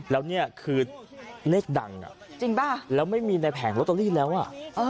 แล้วเนี่ยคือแลกดังอ่ะจริงป้าแล้วไม่มีในแผ่งเวิร์ดการ์บแล้วอะ